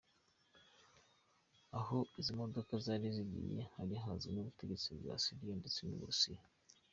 "Aho izo modoka zari zigiye hari hazwi n'ubutegetsi bwa Siriya ndetse n'Uburusiya.